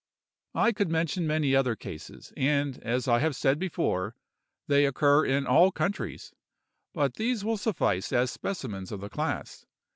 I could mention many other cases, and, as I have said before, they occur in all countries; but these will suffice as specimens of the class.